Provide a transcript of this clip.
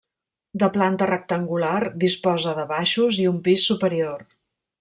De planta rectangular, disposa de baixos i un pis superior.